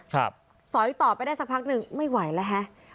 สอยต่อไปได้สักพักหนึ่งไม่ไหวแล้วฮะ